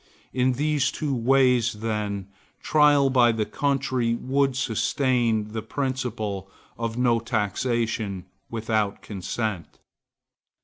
In these two ways, then, trial by the country would sustain the principle of no taxation without consent.